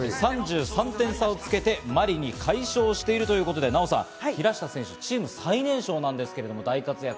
３３点差をつけて、マリに快勝しているということで、ナヲさん、平下選手、チーム最年少なんですけど大活躍。